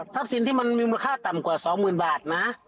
ทรัพย์ที่มีมูลค่าต่ำกว่า๒๐๐๐๐บาทนะ